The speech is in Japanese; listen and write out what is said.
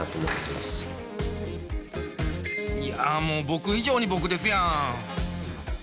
一応でもいやもう僕以上に僕ですやん。